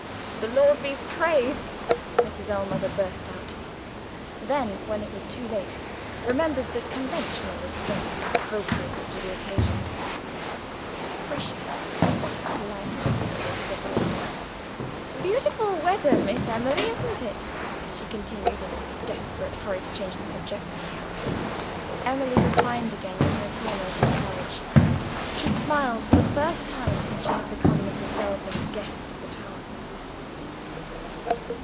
"The Lord be praised!" Mrs. Ellmother burst out and then, when it was too late, remembered the conventional restraints appropriate to the occasion. "Gracious, what a fool I am!" she said to herself. "Beautiful weather, Miss Emily, isn't it?" she continued, in a desperate hurry to change the subject. Emily reclined again in her corner of the carriage. She smiled, for the first time since she had become Mrs. Delvin's guest at the tower.